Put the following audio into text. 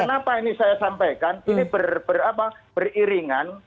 kenapa ini saya sampaikan ini beriringan